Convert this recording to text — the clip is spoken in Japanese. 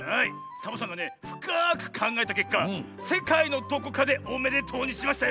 サボさんがねふかくかんがえたけっか「せかいのどこかでおめでとう！」にしましたよ！